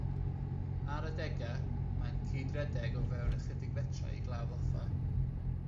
Ar adegau mae'n cydredeg o fewn ychydig fetrau i Glawdd Offa.